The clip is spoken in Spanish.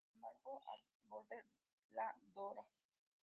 Sin embargo, al volver, la Dra.